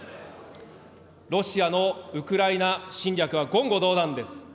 ロシアのウクライナ侵略は言語道断です。